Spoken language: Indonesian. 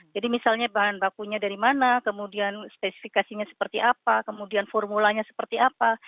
jadi misalnya bahan bakunya dari mana kemudian spesifikasinya seperti apa kemudian formulanya seperti apa